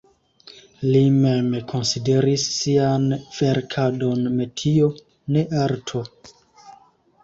Li mem konsideris sian verkadon metio, ne arto.